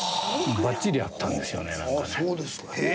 バッチリやったんですよねなんかね。